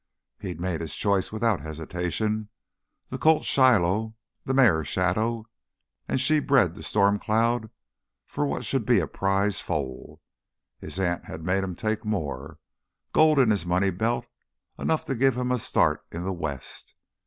He'd made his choice without hesitation: the colt Shiloh, the mare Shadow, and she bred to Storm Cloud for what should be a prize foal. His aunt had made him take more—gold in his money belt, enough to give him a start in the west.